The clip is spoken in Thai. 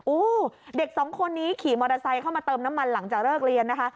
เด็กสองคนนี้ขี่มอเตอร์ไซค์เข้ามาเติมน้ำมันหลังจากเลิกเรียนนะคะ